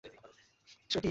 ও এখানে কেনো?